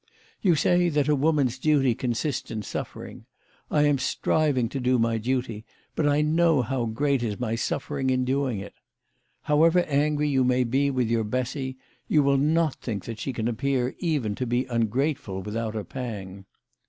You say that a woman's duty consists in suffering. I am striving to do my duty, but I know how great is my suffering in doing it. However angry you may be with your Bessy, you will not think that she can appear even to be un grateful without a pang.